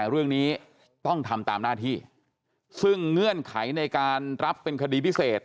เรื่องนี้ต้องทำตามหน้าที่ซึ่งเงื่อนไขในการรับเป็นคดีพิเศษ